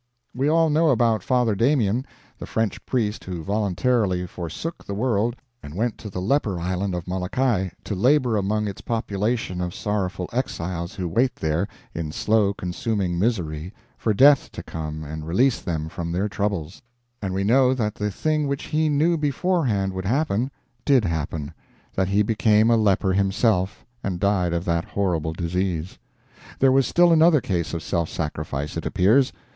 We all know about Father Damien, the French priest who voluntarily forsook the world and went to the leper island of Molokai to labor among its population of sorrowful exiles who wait there, in slow consuming misery, for death to come and release them from their troubles; and we know that the thing which he knew beforehand would happen, did happen: that he became a leper himself, and died of that horrible disease. There was still another case of self sacrifice, it appears.